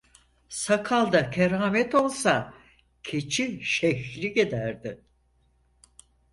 Sakalda keramet olsa, keçi şeyhlik ederdi.